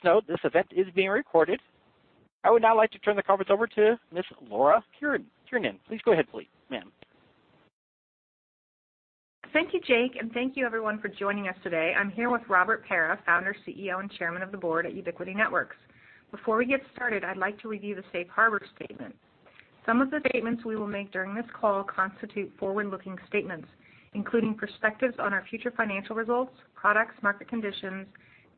Please note, this event is being recorded. I would now like to turn the conference over to Ms. Laura Kiernan. Please go ahead, ma'am. Thank you, Jake, and thank you, everyone, for joining us today. I'm here with Robert Pera, founder, CEO, and Chairman of the Board at Ubiquiti Networks. Before we get started, I'd like to review the Safe Harbor Statement. Some of the statements we will make during this call constitute forward-looking statements, including perspectives on our future financial results, products, market conditions,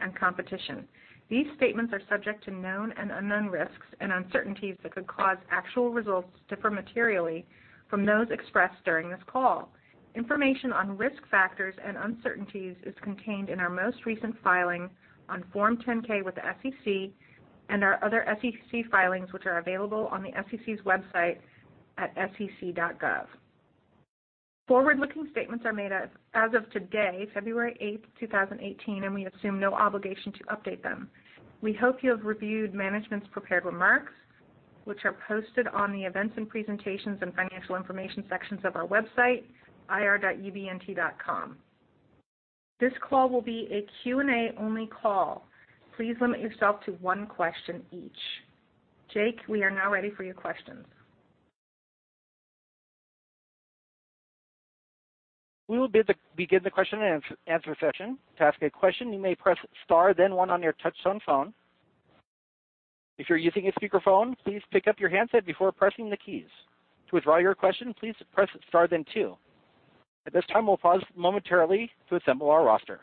and competition. These statements are subject to known and unknown risks and uncertainties that could cause actual results to differ materially from those expressed during this call. Information on risk factors and uncertainties is contained in our most recent filing on Form 10-K with the SEC and our other SEC filings, which are available on the SEC's website at sec.gov. Forward-looking statements are made as of today, February 8, 2018, and we assume no obligation to update them. We hope you have reviewed management's prepared remarks, which are posted on the Events and Presentations and Financial Information sections of our website, irubnt.com. This call will be a Q&A-only call. Please limit yourself to one question each. Jake, we are now ready for your questions. We will begin the question and answer session. To ask a question, you may press star, then one on your touch-tone phone. If you're using a speakerphone, please pick up your handset before pressing the keys. To withdraw your question, please press star, then two. At this time, we'll pause momentarily to assemble our roster.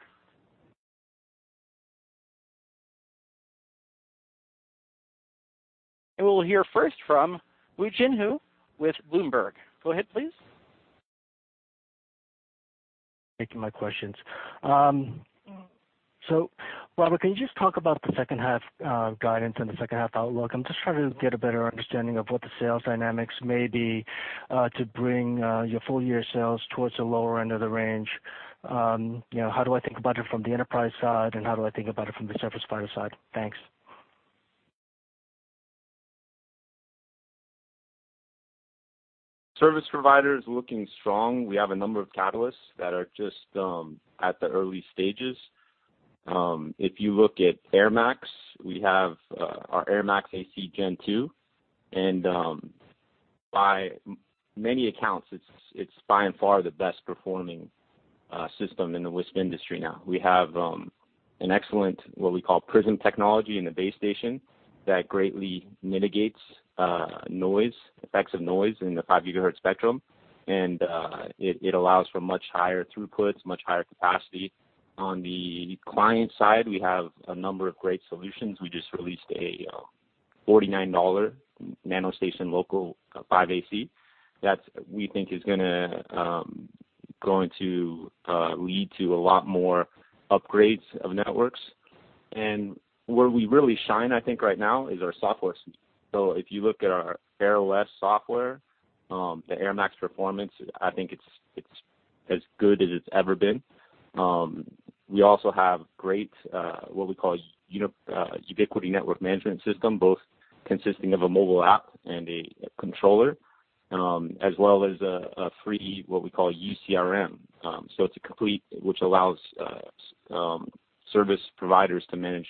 We'll hear first from Woo Jin Ho with Bloomberg. Go ahead, please. Making my questions. Robert, can you just talk about the second half guidance and the second half outlook? I'm just trying to get a better understanding of what the sales dynamics may be to bring your full-year sales towards the lower end of the range. How do I think about it from the enterprise side, and how do I think about it from the service provider side? Thanks. Service providers looking strong. We have a number of catalysts that are just at the early stages. If you look at airMAX, we have our airMAX AC Gen2. And by many accounts, it's by and far the best-performing system in the WISP industry now. We have an excellent, what we call, Prism Technology in the base station that greatly mitigates noise, effects of noise in the 5 GHz spectrum. It allows for much higher throughput, much higher capacity. On the client side, we have a number of great solutions. We just released a $49 NanoStation Loco 5AC that we think is going to lead to a lot more upgrades of networks. Where we really shine, I think, right now is our software suite. If you look at our airOS software, the airMAX performance, I think it's as good as it's ever been. We also have great, what we call, Ubiquiti Network Management System, both consisting of a mobile app and a controller, as well as a free, what we call, UCRM. It is a complete which allows service providers to manage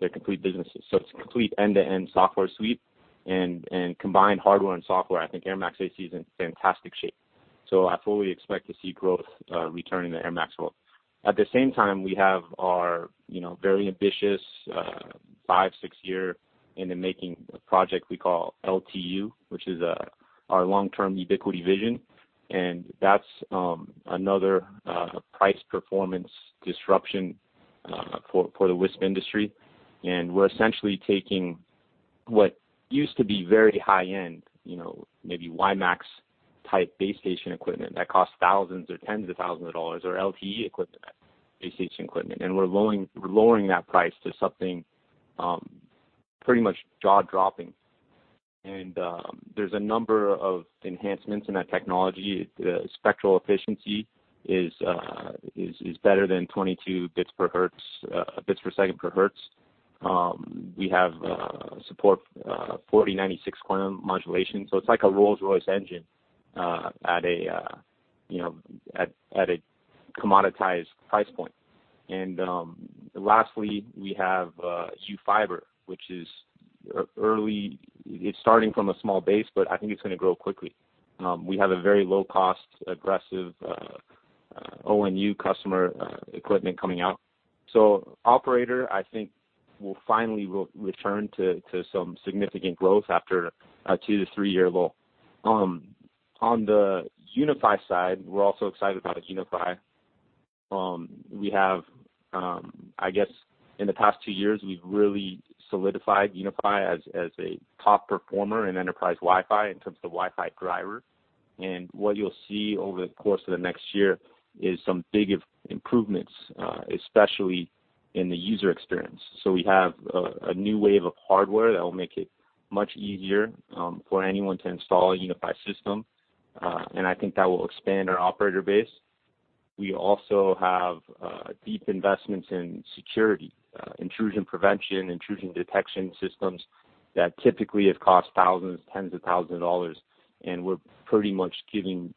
their complete businesses. It is a complete end-to-end software suite. Combined hardware and software, I think airMAX AC is in fantastic shape. I fully expect to see growth return in the airMAX world. At the same time, we have our very ambitious five, six-year in the making project we call LTU, which is our long-term Ubiquiti vision. That is another price-performance disruption for the WISP industry. We are essentially taking what used to be very high-end, maybe WiMAX-type base station equipment that costs thousands or tens of thousands of dollars, or LTE equipment, base station equipment. We are lowering that price to something pretty much jaw-dropping. There is a number of enhancements in that technology. The spectral efficiency is better than 22 bits per second per hertz. We have support for 4096 QAM modulation. It is like a Rolls-Royce engine at a commoditized price point. Lastly, we have UFiber, which is early. It is starting from a small base, but I think it is going to grow quickly. We have a very low-cost, aggressive ONU customer equipment coming out. Operator, I think, will finally return to some significant growth after a two to three-year lull. On the UniFi side, we are also excited about UniFi. I guess in the past two years, we have really solidified UniFi as a top performer in enterprise Wi-Fi in terms of the Wi-Fi driver. What you will see over the course of the next year is some big improvements, especially in the user experience. We have a new wave of hardware that will make it much easier for anyone to install a UniFi system. I think that will expand our operator base. We also have deep investments in security, intrusion prevention, intrusion detection systems that typically have cost thousands, tens of thousands of dollars. We're pretty much giving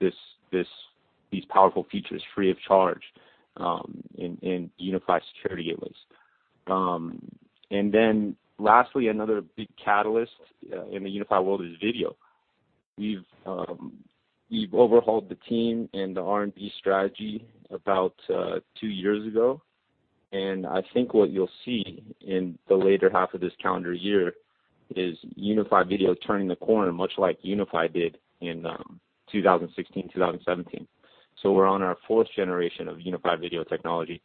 these powerful features free of charge in UniFi security gateways. Lastly, another big catalyst in the UniFi world is video. We've overhauled the team and the R&D strategy about two years ago. I think what you'll see in the later half of this calendar year is UniFi video turning the corner, much like UniFi did in 2016, 2017. We're on our fourth generation of UniFi video technology.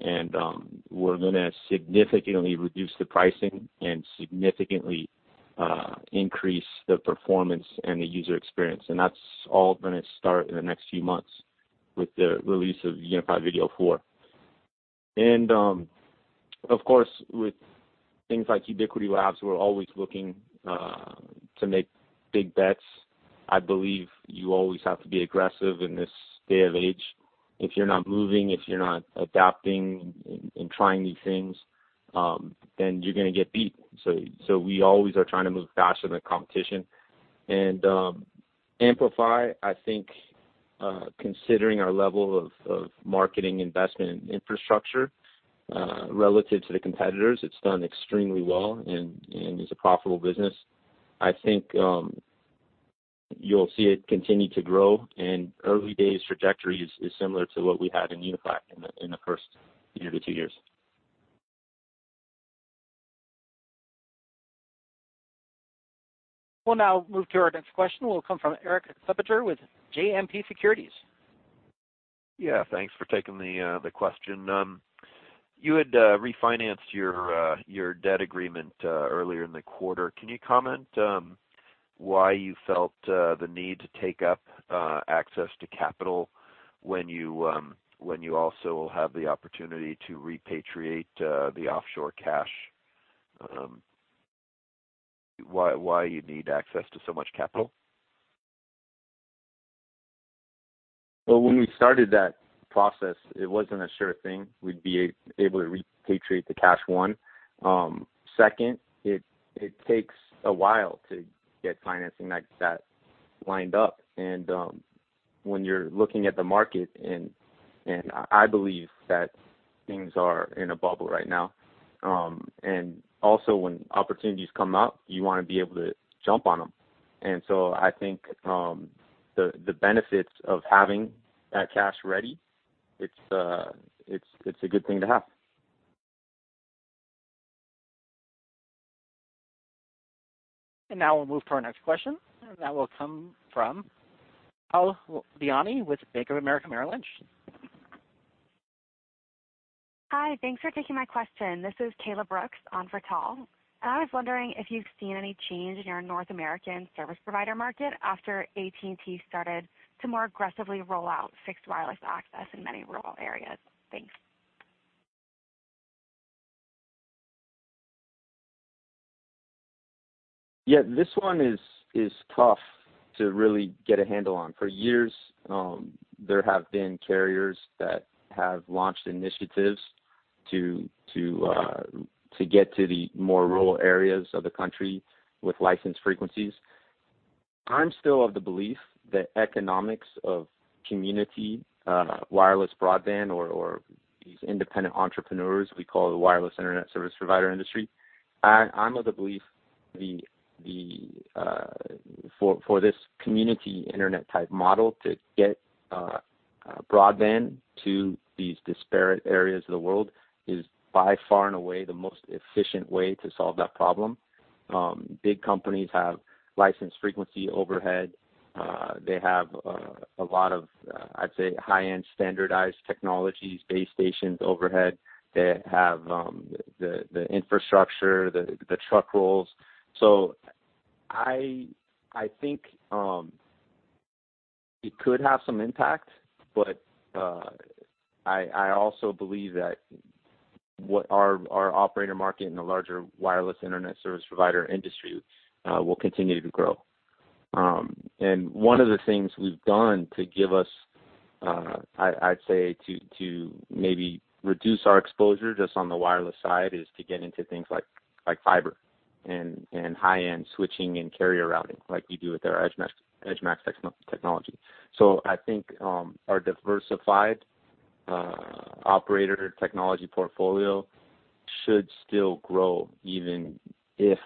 We're going to significantly reduce the pricing and significantly increase the performance and the user experience. That is all going to start in the next few months with the release of UniFi Video 4. Of course, with things like Ubiquiti Labs, we are always looking to make big bets. I believe you always have to be aggressive in this day and age. If you are not moving, if you are not adapting and trying new things, then you are going to get beat. We are always trying to move faster than the competition. AmpliFi, I think, considering our level of marketing investment infrastructure relative to the competitors, has done extremely well and is a profitable business. I think you will see it continue to grow. The early days' trajectory is similar to what we had in UniFi in the first year to two years. We'll now move to our next question, which will come from Eric Suppiger with JMP Securities. Yeah, thanks for taking the question. You had refinanced your debt agreement earlier in the quarter. Can you comment why you felt the need to take up access to capital when you also have the opportunity to repatriate the offshore cash? Why you need access to so much capital? When we started that process, it wasn't a sure thing we'd be able to repatriate the cash, one. Second, it takes a while to get financing that lined up. When you're looking at the market, and I believe that things are in a bubble right now. Also, when opportunities come up, you want to be able to jump on them. I think the benefits of having that cash ready, it's a good thing to have. We will move to our next question, and that will come from Al Biani with Bank of America Merrill Lynch. Hi, thanks for taking my question. This is Kayla Brooks on Vertal. I was wondering if you've seen any change in your North American service provider market after AT&T started to more aggressively roll out fixed wireless access in many rural areas. Thanks. Yeah, this one is tough to really get a handle on. For years, there have been carriers that have launched initiatives to get to the more rural areas of the country with licensed frequencies. I'm still of the belief that the economics of community wireless broadband or these independent entrepreneurs, we call the wireless internet service provider industry, I'm of the belief for this community internet-type model to get broadband to these disparate areas of the world is by far and away the most efficient way to solve that problem. Big companies have licensed frequency overhead. They have a lot of, I'd say, high-end standardized technologies, base station overhead. They have the infrastructure, the truck rolls. I think it could have some impact, but I also believe that our operator market in the larger wireless internet service provider industry will continue to grow. One of the things we've done to give us, I'd say, to maybe reduce our exposure just on the wireless side is to get into things like fiber and high-end switching and carrier routing like we do with our EdgeMAX technology. I think our diversified operator technology portfolio should still grow even if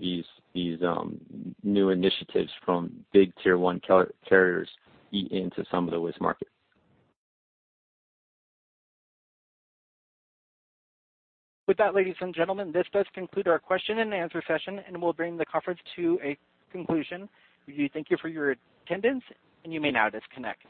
these new initiatives from big tier one carriers eat into some of the WISP market. With that, ladies and gentlemen, this does conclude our question and answer session, and we'll bring the conference to a conclusion. We do thank you for your attendance, and you may now disconnect.